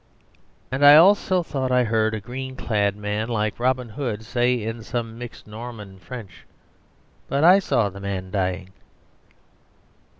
And I also thought I heard a green clad man, like Robin Hood, say in some mixed Norman French, "But I saw the man dying."